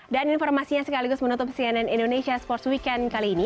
dan informasinya sekaligus menutup cnn indonesia sports weekend kali ini